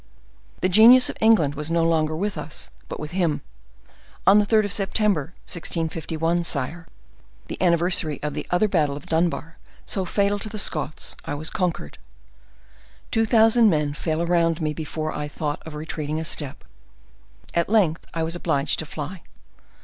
"The genius of England was no longer with us, but with him. On the 3rd of September, 1651, sire, the anniversary of the other battle of Dunbar, so fatal to the Scots, I was conquered. Two thousand men fell around me before I thought of retreating a step. At length I was obliged to fly.